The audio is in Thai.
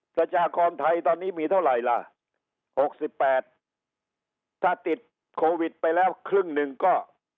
ประชากรไทยตอนนี้มีเท่าไหร่ล่ะ๖๘ถ้าติดโควิดไปแล้วครึ่งหนึ่งก็